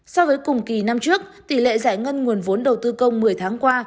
so với cùng kỳ năm trước tỷ lệ giải ngân nguồn vốn đầu tư công một mươi tháng qua